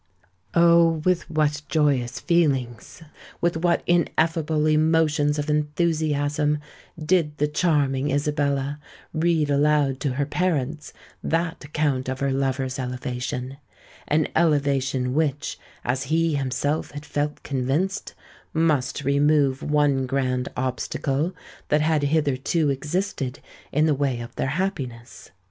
Oh! with what joyous feelings—with what ineffable emotions of enthusiasm, did the charming Isabella read aloud to her parents that account of her lover's elevation,—an elevation which, as he himself had felt convinced, must remove one grand obstacle that had hitherto existed in the way of their happiness.